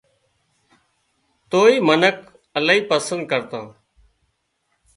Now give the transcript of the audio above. توئي منک الاهي پسند ڪرتان